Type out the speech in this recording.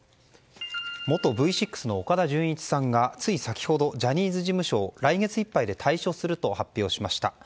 元Ｖ６の岡田准一さんがつい先ほどジャニーズ事務所を来月いっぱいで退所すると発表しました。